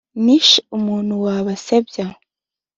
Nishe umuntu wa Basebya